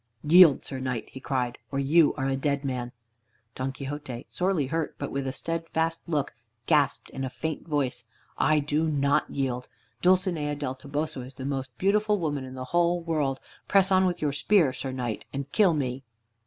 "Yield, Sir Knight!" he cried, "or you are a dead man." Don Quixote, sorely hurt, but with steadfast look, gasped in a faint voice: "I do not yield. Dulcinea del Toboso is the most beautiful woman in the whole world. Press on with your spear, Sir Knight, and kill me."